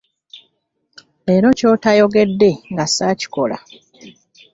Leero ky'otayogedde nga saakikola.